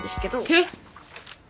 えっ！？